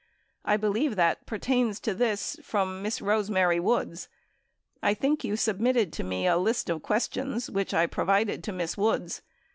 I believe that pertains to this, from Miss Rose Mary Woods. I think you submitted to me a list of questions which I provided to Miss Woods.